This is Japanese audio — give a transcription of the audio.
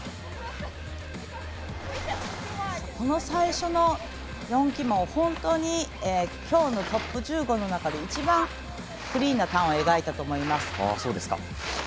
最初の４旗門今日のトップ１５の中で一番クリーンなターンを描いたと思います。